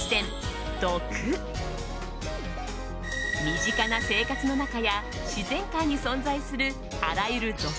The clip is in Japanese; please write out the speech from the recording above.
身近な生活の中や自然界に存在するあらゆる毒